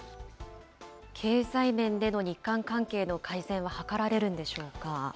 経済面での日韓関係の改善は図られるんでしょうか。